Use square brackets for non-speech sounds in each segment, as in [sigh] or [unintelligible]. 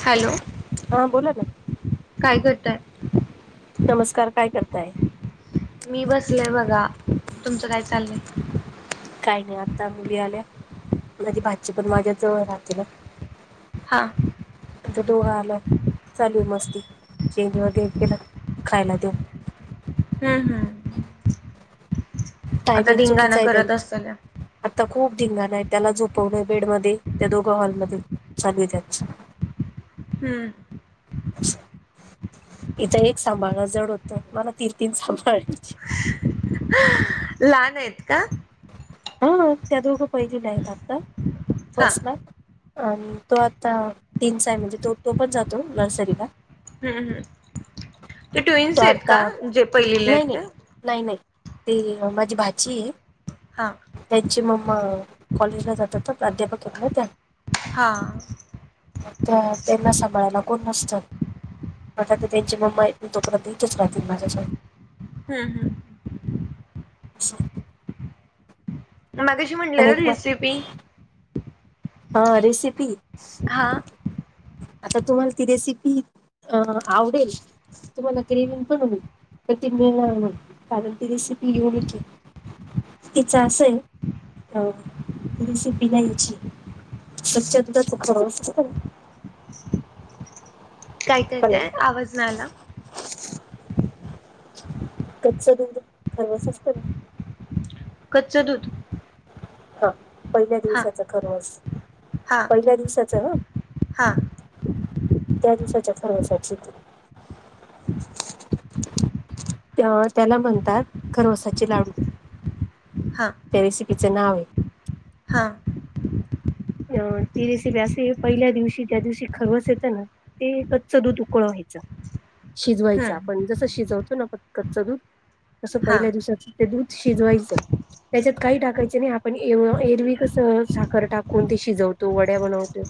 Hello हा बोला ना. काय करताय? नमस्कार काय करताय? मी बसलय बघा तुमचं काय चाललंय? काही नाही आता मुली आल्या माझी भाची पण माझ्या जवळ राहते ना. हां आ दोघं आला चालू मस्ती चेंज वगैे केला खायला देऊ. हम हम. आता टायमिंग धिंगाणा चुकीचं आहे करत त्यांच. असल आता खूप धिंगाण आहे त्याला झोपवण बेडमध्येध्ये त्या दोघं हॉलमध्ये चालू त्याच. हम्म. इथं एक सांभाळण जड होतं मला तीन तीन सांभाळायचे. लहान आहेत का? हा त्या दोघ पहिली नाही आता हा फर्स्ट ला. हम्म आणि तो आता तीनचा आहे म्हणजे तो तो पण जातो नर्सरीला. हम्म हम्, ते तो ट्विन्स आहेत का आता जे पहिलेले नाही आहेत नाही ते? नाही नाही ते माझी भाची आहे. हां. त्यांची मग कॉलेजला जात तर प्राध्यापक आहेत ना त्या. हां‌. त्यांना सांभाळायला कोण नसतं. आता ते त्यांची मम्मा इतली तो परंतुचच रात माझाचे [unintelligible] हम् हम्. [inaudible] मगशी म्हटले आणि ना एक मग रेसिपी हा रेसिपी. हा. आता तुम्हाला ती रेसिपी अ आवडेल. मलाकरी [unintelligible] विपण तमण तशी पि तिचा अस आहे अ रेसिपी नाही याची‌. कच्याधा [inaudible] काय काय हॅलो तेय आवाज नाही आला. कच्च दूध खरवच असत ना. कच्चं दूध. हा पहिल्या हा दिवसाचं खररोच हा पहिल्या दिवसाचं हा. हा त्या दिवसाच्या प्रवेशाची. तेव्हा त्याला म्हणतात खरवसाची लाडू. हां. त्या रेसिपीचं नाव आहे. हा. ती रसिपी असे पहिल्या दिवशी, त्या दिवशी खरवस येतं ना. ते, कच्च दूध उकळ व्हायचं. शिजवायच हम्म आपण जसं शिजवतो ना प कच्च दूध तस हा पहिल्या दिवसाच. ते दूध शिजवायचं, त्याच्यात काही टाकायच नाही. आपण ए एरविकच साखर टाक कोणते शिजवतो वड्या बनवतो.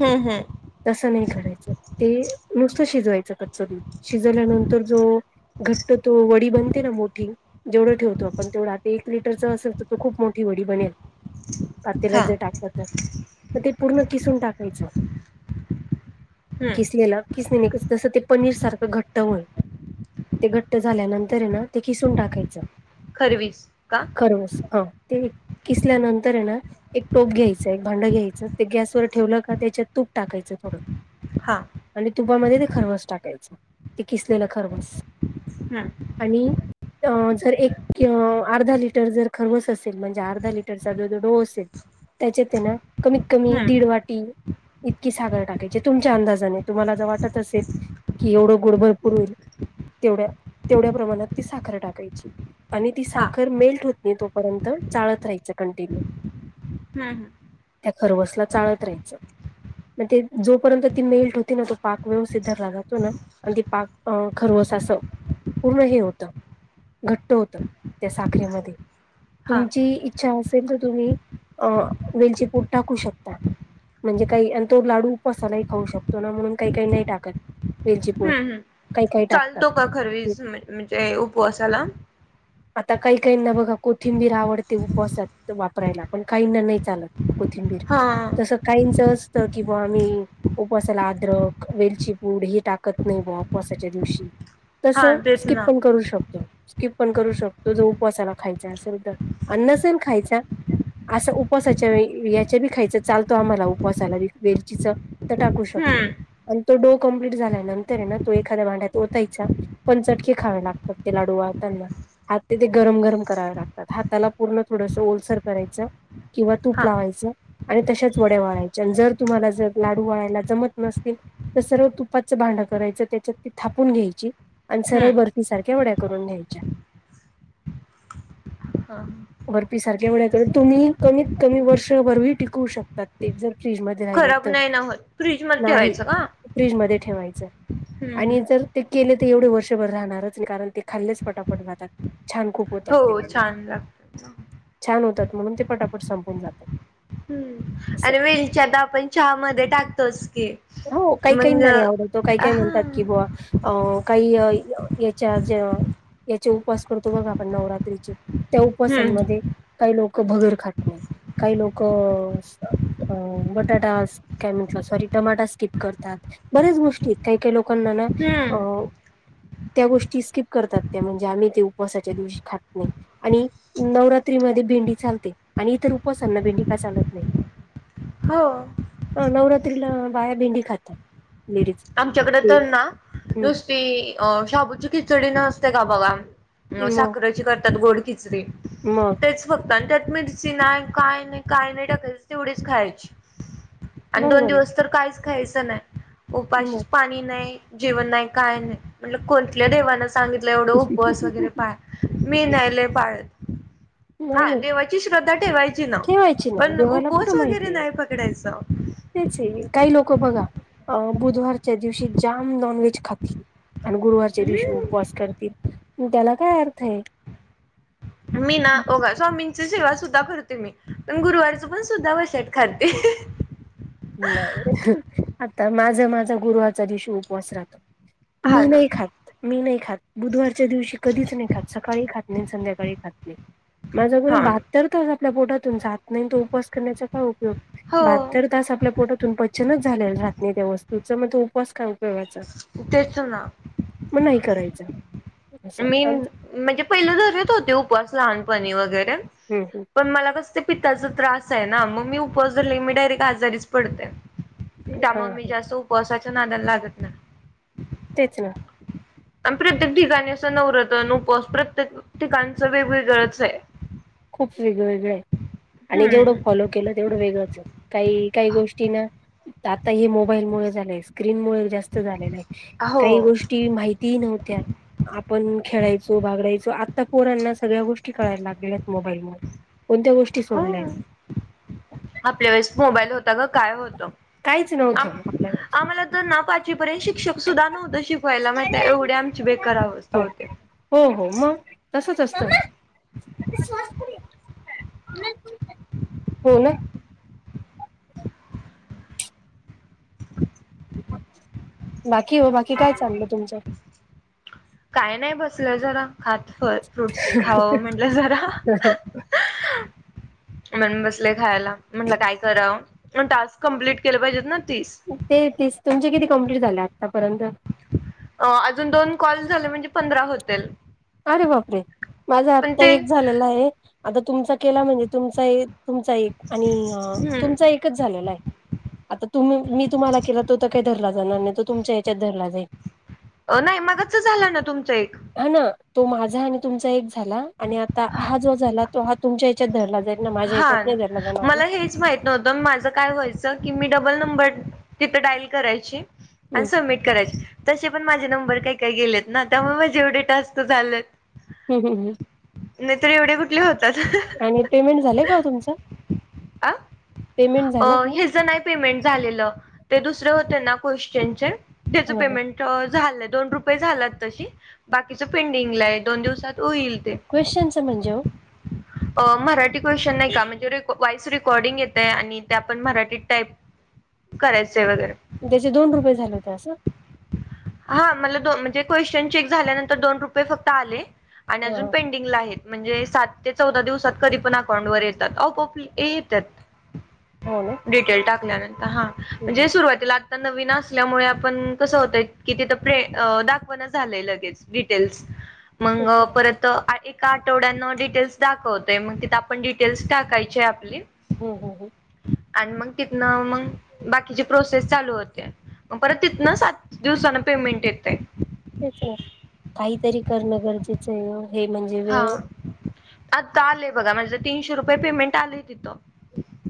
हम् हम. तसं नाही करायचं ते नुसतं शिजवायचं कच्च दूध, शिजवल्यानंतर जो घट्ट तो वडी बनते ना मोठी. जेवढं ठेवतो आपण तेवढं आ एक लिटरच असेल तर तो खूप मोठी वडी बनेल. [inaudible] पातेला जे टाकत, तर ते पूर्ण किसून टाकायचे. हम्म खिसलेलं किसणी नाही जसं ते पनीर सारखं घट्ट होय. ते घट्ट झाल्यानंतर ना, ते खिसून टाकायचं. खरवीस का? खरवस हा. किसल्यानंतर आहे ना. एक टोप घ्यायच एक भांडं घ्यायचं ते गॅसवर ठेवलं का त्याच्यात तूप टाकायचं थोडं. हा. आणि तुपामध्ये ते खरवस टाकायचं, ते किसलेलं खरवस. हम. आणि. अ जर एक अर्धा लिटर जर खरवस असेल म्हणजे अर्धा लिटरचा दुध डो असेल. त्याच्यात आहे ना, कमीत कमी हं, दीड वाटी. इतकी सागर टाकायची, तुमच्या अंदाजाने तुम्हाला जर वाटत असेल. कि एवढं गुड भरपूर होईल, तेवढ्या तेवढ्या प्रमाणात ती साखर टाकायची. आणि ती हा साखर मेल्ट होत नाही, तोपर्यंत चाळत राहायचं कंटिन्यू. हम्म. त्या खरवसला चाळत राहायचं. मण ते जोपर्यंत ती मेल्ट होती ना तो पाक व्यवस्थित धला जातो ना. आणि ते पाक अं खरवस असं, पूर्ण हे होतं. घट्ट होत, त्या साखरे मध्ये हा तुमची इच्छा असेल तर, ते तुम्ही अ वेलचे पूट टाकू शकता. म्हणजे काही आणि तो लाडू उपासालाही खाऊ शकतो ना, म्हणून काही काही नाही टाकत. वेलची पूड हम्म हम् काही काही टाकतात चालतो का खरवीज म्हणजे उपवासाला? आता काही काहीना बघा कोथिंबीर आवडते, उपसात वापरायला. पण काहींना नाही चालत, कोथिंबीर. हा. तस काहीच असतं की बा आम्ही. उपवासाला अद्रक, वेलचीपूड हे टाकत नाही बा उपवासाच्या दिवशी. तस हा तेच स्किप ना पण करू शकतो. स्कीप पण करू शकतो, जो उपवासाला खायचा असेल तर आणि नसेल खायचा. असं उपवासाच्या याच्या बी खायचं चालतो आम्हाला, उपवासालाी वेलचीच. तर टाकू शकतो हं. आणि तो डो कमप्लीट झाल्यानंतर ना, तो एखाद्या भांड्यात ओतायचा. पण चटकीे खावे लागतात ते लाडू वळताना त्यांना. [inaudible] ते ते गरम गरम करावे लागतात हाताला पूर्ण थोडस ओलसर करायचं किंवा हा तूप लावायचं आणि तशाच वडया वळायचे आणि जर तुम्हाला जर लाडू वळायला जमत नसतील तर सर्व तुपाचं भांडं करायचं त्याच्यात ती थापून घ्यायची आणि सरळ हं. बर्फी सारख्या वढ्या करून घ्यायच्या हा बर्फी सारख्या करून तर, तुम्ही कमीत कमी वर्षभर ही टिकवू शकतात. ते जर फ्रीजमध्ये राहिले खराब तर नाही ना होत. फ्रीजमध्ये नाही. ठेवायचं का? फ्रीजमध्ये ठेवायचं, हं, आणि हं. जर ते केले ते एवढे वर्षभर राहणारच नाही, कारण ते खाल्लेच पटापट जातात, छान खूप होतात ते हो लाडू, छान लागतं. छान होतात म्हणून ते पटापट संपून जातात हम्म, असे आणि वेलच्या तर आपण चहा मधे टाकतोच की हो, काही काही मग ना नाही आवडत, काही हा काही म्हणतात कि हं, बुआ, अ काही याच्यात जे याचे उपवास करतो बघा आपण नवरात्रीचे, त्या उपवासान हं. मध्ये काही लोकं भगर खात नाहीत काही लोकं अ बटाटाज्, काय म्हटला सॉरी टमाटा स्किप करतात, बऱ्याच गोष्टी आहेत, काही काही लोकांना ना, हं. अऽ त्या गोष्टी स्किप करतात, त्या म्हणजे आम्ही ते उपावासाच्या दिवशी खात नाही. आणि नवरात्री मध्ये भेंडी चालते, आणि इतर उपवासांना भेंडी का चालत नाही. हो अऽ नवरात्रीला बाया भेंडी खातात. लेडीज आमच्याकडे ते तर ना नुस ती शाबूची अ खिचडी नसते का बघा, मग साखरेची करतात गोड खिच चडीे मग तेच फक्त, आणि त्यात मिरची नाही, काय नाही काय नाही टाकायच, तेवढीच खायाची आणि दोन बरोबर आहे दिवस तर कायच खायचं नाही उपाशीच, मग. पाणी नाही, जेवण नाही काय नाही म्हटलं कोणत्या देवानं सां सांगितलंय एवढं उपवास वगैरे पाळा, मी नाही लय पाळत नाही हा नाही देवाची श्रद्धा ठेवायची ना, ठेवायची ना पण देवाला कुठं उपवास वगैरे माहितीय नाही पकडायच. तेच ये काही लोकं बघा, अ बुधवारच्या दिवशी जाम नॉनव्हेज खातील आणि गुरुवारच्या दिवशी हम्म उपवास करतील, त्याला काय अर्थ आहे. मी ना, अ बघा स्वामींची सेवा सुद्धा करते मी, पण गुरुवारचं पण सुद्धा वशाट खाते नाही, आता माझ माझा गुरुवारचा दिवशी उपवास राहतो. हा मी ना नाही खात. मी नाही खात, बुधवारच्या दिवशी कधीच नाही खात, सकाळी ही खात नाही आणि संध्याकाळी ही खात नाही. मासाहार हा ना बहात्तर तास आपल्या पोटातून जात नाही, तो उपवास करण्याचा काय उपयोग, बहात्तर हो तास आपल्या पोटातून पचनच झालेल राहात नाही त्या वस्तूच, मग तो उपवास काय ऊपयोगाचा तेच ना मग नाही करायचा. असं मी, म्हणजे पहिला धरत होते उपवास लहानपणी वगैरे हम् हम् पण मला कस ते पिताचा त्रास आहे ना, मग मी उपवास धरले की मी डायरेक्ट आजारीच पडते हा त्यामुळे मी हा जास्त उपवासाच्या नादाला लागत नाही तेच ना. आणी प्रत्येक ठिकाणी असं नवरात्र आणी उपवास, प्रत्येक ठिकाणचं वेगवेगळच आहे.. खूप वेगळेवेेगळे आय, आणि जेवढं हम्म फॉलो. केलं तेवढं वेगळंच आहे, काही काही गोष्टी ना. आता हे मोबाईल मुळ झालंय, स्क्रीन मुळे जास्त झालेलं आहे, हो काही गोष्टी माहिती. ती नव्हत्या, आपण खेळायचो, बागडायचो, आता पोरांना सगळ्या गोष्टी कळायला लागल्या. मोबाईल हो, आपल्या वेळेस मोबाईल होता ग काय होत. काहीच नव्हतं. आम्हाला तर ना पाचवीपर्यंत शिक्षक सुद्धा नव्हत, शिकवायला माहिती एवढे आमची बेकार अवस्था हो होते. हो हो मग तसच असतो. हो ना. बाकी हो बाकी काय चाललं तुमचं. काय नाही बसलोय जरा, खात फ्रूट्स, खावं म्हटलं जरा.. [unintelligible] म्हण बसलोय खायला, म्हटलं काय करावं, मग टास्क कंप्लीट केलं पाहिजेत ना तीस. ते तेच, तुमचे किती कंप्लीट झाले आत्तापर्यंत? अ अजून दोन कॉल झाले म्हणजे पंधरा होतील. अरे बापरे! माझा पण आत्ता ते एक झालेला आहे आता तुमचा केला म्हणजे तुमचा. तुमचा एक आणि तुमचा हम्म. एकच झालेला आहे. आता तुम्ही मी तुम्हाला केला तो तर काही धरला, जाणार नाही तो तुमच्या याच्यात धरला जाईल. नाही मगच झालं ना, तुमचं एक. हा ना तो माझा आणि तुमचा एक झाला, आणि आता हा जो झाला तो हा. तुमच्या हच्यात धरला जाईल ना हा माझ्याच्यात नाही धर जाणार. मला हेच माहित नव्हत माझं काय व्हायचं की मी डबल नंबर तिथं डाईल करायची. आणि हम्म सबमिट करायच. तसे पण माझे नंबर काही काही गेलेत ना त्यामुळे माझे एवढे टास्क झालेत. हम्म हम्म. नाहीतर एवढे कुठले होतात. आणि पेमेंट झाले का तुमचं? अ पेमेंट अ झालं का हेज नाही. पेमेंट झालेलं ते दुसरे होते ना क्वेश्चन चे. त्याच ह ह पेमेंट झालंय दोन रुपये झालात तशी, बाकीचं पेंडिंगला आहे दोन दिवसात होईल ते. क्वेशचनच म्हणजे ओ. मराठी क्वेश्चन नाही का म्हणजे, वॉइस रेकॉर्डिंग येत आहे आणि ते आपण मराठीत टाईप. करायचंय वगैरे. त्याचे दोन रुपये झाले होते असं. हा मला दो म्हणजे क्वेश्चन चेक झाल्यानंतर दोन रुपये फक्त आले आणि अजून. ह पेंडिंगला म्हणजे सात ते चौदा दिवसात कधी पण अकाउंट वर येतात आपोआप येतात. हो ना डिटेल टाकल्यानंतर, हा हं, म्हणजे हं. सुरवातीला. आता नवीन असल्यामुळे आपण कसं होतय. कि तिथं प्रे दाखवाण झालंय लगेच डिटेल्स मग तेच ना परत. तर एका आठवड्यानं डिटेल्स दाखवतोय मग तिथं आपण डिटेल्स टाकायचे आपली. हं हं हं. आणि मग तिथनं मग बाकीचे प्रोसेस चालू होते मग परत तिथन. सात दिवसान पेमेंट येते. तेच काहीतरी करणं गरजेचं आहे ओ. हे म्हणजे. हा वेळ आता आलंय बघा माझं तीनशे रुपये पेमेंट आलंय तिथं.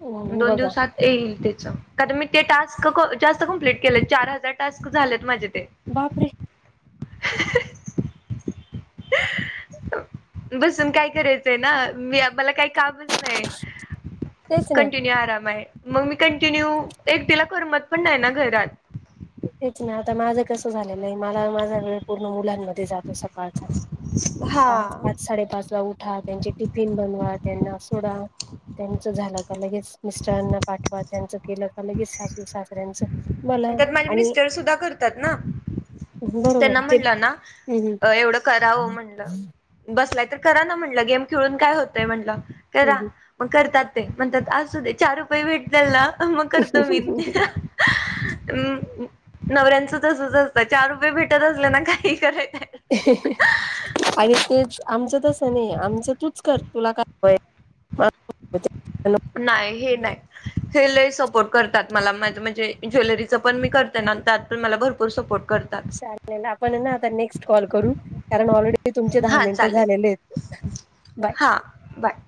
हं, दोन बघा दिवसात. येईल त्याच कारण मी ते टास्क जास्त कमप्लीट केले चार हजार टास्क झालेत माझे ते. बापरे. ह [inaudible] बसून काय करायचंय ना मी मला काही कामच नाही. तेच ना कंटिन्यू आराम आहे मग मी कंटिन्यू एकटीला करमत पण नाही ना घरात. तेच नाही आता माझं कसं झालेलं आहे मला माझा वेळ पूर्ण मुलांमध्ये. जातो सकाळचा पाच हा पात. साडेपाच ला उठा त्यांची टिफिन बनवा त्यांना सोडा त्यांच झालं का लगेच. मिस्टरांना पाठवा त्यांचं केलं का लगेच सासू सासऱ्यांचं मला. त्यात माझे आणि मिस्टर सुद्धा करतात ना. त्यांना बरोबर ते म्हणलं ना हम्म एवढं करावं म्हणलं. बसलाय तर करा ना म्हटलं गेम खेळून काय होतय म्हटलं करा. हम्म मग करतात ते म्हणतात आजू दे चार रुपये भेटले ना मग करतो मी. हम्म. म् नवऱ्यांचंच तसच असत चार रुपये भेटत असल्या ना काही करायच. ह [inaudible] आणि ते आमचं तसं नाही आमचं तूच कर तुला काय बाई. नाही हे नाही. हे लले सपोर्ट करतात मला मा म्हणजे ज्वेलरीच पण मी करते ना त्या. पण मला भरपूर सपोर्ट करतात. चालेल आपण ना आता नेक्स्ट कॉल करू कारण ऑलरेडी तुमचे दहा हा मिनट चालेल झालेले आहेत. बाय हा, बाय